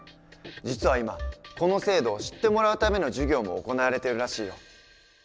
実は今この制度を知ってもらうための授業も行われてるらしいよ。